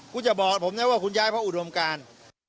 คุณจะบอกผมนะว่าคุณย้ายเพราะอุดมการ